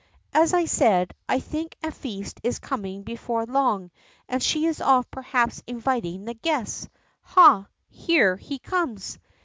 As I said, I think a feast is coming before long, and she is off perhaps inviting the guests. Ha, here .he comes